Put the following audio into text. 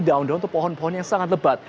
daun daun untuk pohon pohon yang sangat lebat